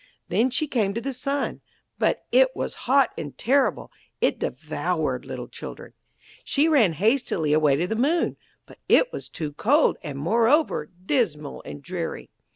Then she came to the Sun, but it was hot and terrible, it devoured little children. She ran hastily away to the Moon, but it was too cold, and, moreover, dismal and dreary.